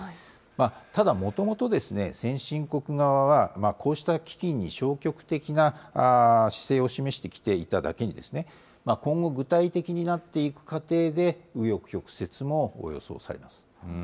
ただ、もともと先進国側は、こうした基金に消極的な姿勢を示してきていただけに、今後、具体的になっていく過程で、う余曲折も予想されます。